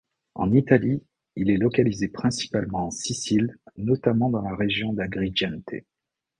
En Italie, il est localisé principalement en Sicile, notamment dans la région d'Agrigente.